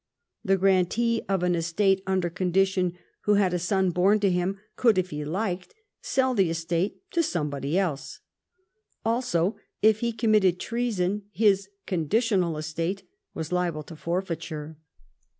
The grantee of an estate under condition who had a son born to him could if he liked sell the estate to somebody else. Also if he committed treason his " conditional estate " was liable to forfeiture.